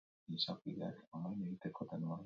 Bilduma luzea eta joria da.